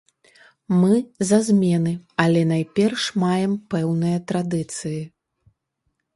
Мы за змены, але найперш маем пэўныя традыцыі.